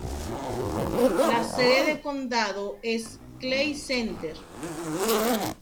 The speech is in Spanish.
La sede de condado es Clay Center.